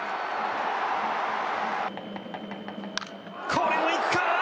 これも行くか？